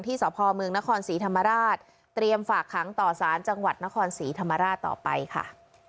สพเมืองนครศรีธรรมราชเตรียมฝากขังต่อสารจังหวัดนครศรีธรรมราชต่อไปค่ะ